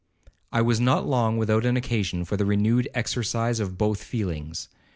I was not long without an occasion for the renewed exercise of both feelings.